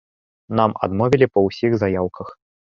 Нам адмовілі па ўсіх заяўках!